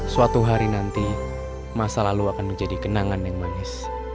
suatu hari nanti masa lalu akan menjadi kenangan yang manis